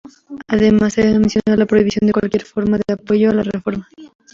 Además, se debe mencionar la prohibición de cualquier forma de apoyo a la reforma.